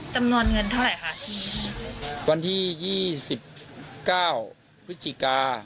จำนวนเงินเท่าไหร่คะวันที่ยี่สิบเก้าพฤศจิกา